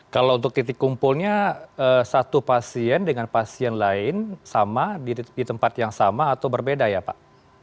kalau untuk titik kumpulnya satu pasien dengan pasien lain sama di tempat yang sama atau berbeda ya pak